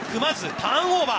ターンオーバー。